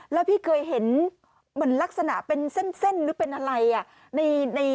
แล้วพี่เคยเห็นเหมือนลักษณะเป็นเส้นหรือเป็นอะไร